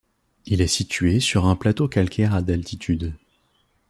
Il est situé sur un plateau calcaire à d'altitude.